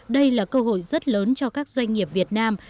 đây là cơ hội rất lớn cho các doanh nghiệp việt nam